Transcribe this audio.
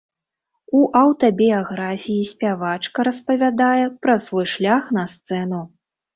У аўтабіяграфіі спявачка распавядае пра свой шлях на сцэну.